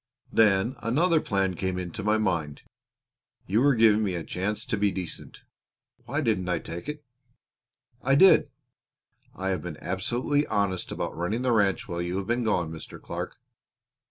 Then another plan came into my mind. You were giving me a chance to be decent why didn't I take it? I did. I have been absolutely honest about running the ranch while you have been gone, Mr. Clark.